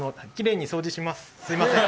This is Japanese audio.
すいません。